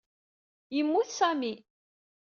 Yemmut Sami.